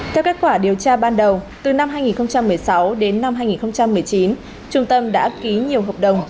theo kết quả điều tra ban đầu từ năm hai nghìn một mươi sáu đến năm hai nghìn một mươi chín trung tâm đã ký nhiều hợp đồng